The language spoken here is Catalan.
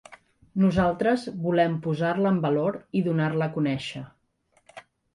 Nosaltres volem posar-la en valor i donar-la a conèixer.